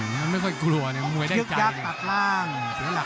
มันไม่ค่อยกลัวเนี่ยมวยได้ใจ